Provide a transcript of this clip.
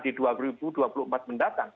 di dua ribu dua puluh empat mendatang